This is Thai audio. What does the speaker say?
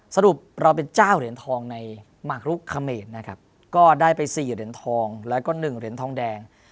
สรุปเราเป็นเจ้าเหรียญทองในหมากรุกเขมรนะครับก็ได้ไป๔เหรียญทองแล้วก็๑เหรียญทองแดง